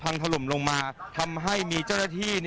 ถล่มลงมาทำให้มีเจ้าหน้าที่